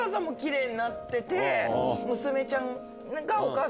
娘ちゃんが。